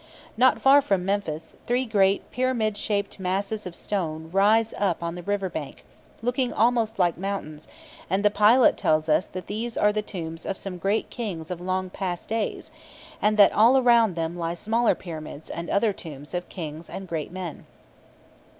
Not far from Memphis, three great pyramid shaped masses of stone rise up on the river bank, looking almost like mountains; and the pilot tells us that these are the tombs of some of the great Kings of long past days, and that all around them lie smaller pyramids and other tombs of Kings and great men.